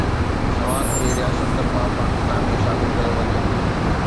سوات کي رياست طرفان پاڪستان ۾ شامل ڪيو وڃي